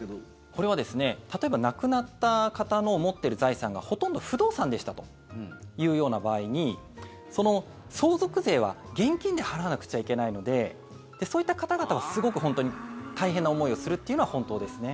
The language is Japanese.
これはですね、例えば亡くなった方の持ってる財産がほとんど不動産でしたというような場合に相続税は現金で払わなくちゃいけないのでそういった方々はすごく本当に大変な思いをするというのは本当ですね。